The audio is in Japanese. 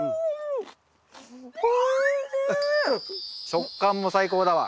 食感も最高だわ。